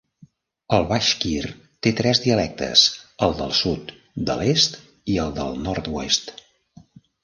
El Bashkir té tres dialectes, el del sud, de l'est i el del nord-oest.